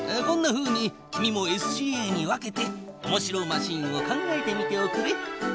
こんなふうに君もＳＣＡに分けておもしろマシンを考えてみておくれ。